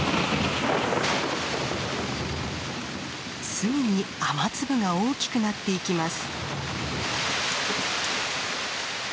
すぐに雨粒が大きくなっていきます。